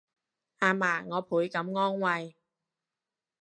阿嫲我倍感安慰